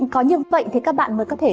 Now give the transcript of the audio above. có như vậy thì các bạn mới có thể